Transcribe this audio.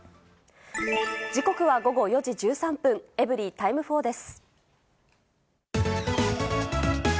時刻は午後４時１３分、エブリィタイム４です。